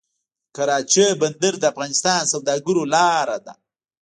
د کراچۍ بندر د افغان سوداګرو لاره ده